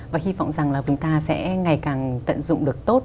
và hy vọng rằng là chúng ta sẽ ngày càng tận dụng được tốt